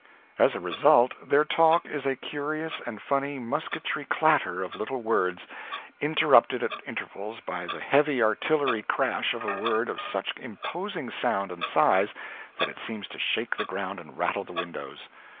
As a result, their talk is a curious and funny musketry clatter of little words, interrupted at intervals by the heavy artillery crash of a word of such imposing sound and size that it seems to shake the ground and rattle the windows.